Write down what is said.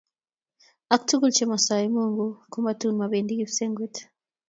Ak tugul che mosoe mungu ko metun mobendii kipsengwet.